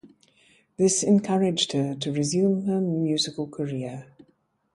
This encouraged her to resume her musical career.